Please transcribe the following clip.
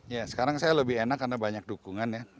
ya sekarang saya lebih enak karena banyak dukungan ya